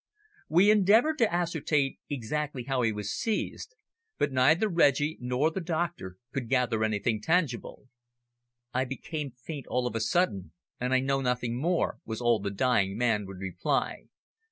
We endeavoured to ascertain exactly how he was seized, but neither Reggie not the doctor could gather anything tangible. "I became faint all of a sudden, and I know nothing more," was all the dying man would reply.